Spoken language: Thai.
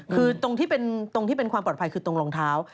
คือตรงที่เป็นความปลอดภัยคือตรงรองเท้า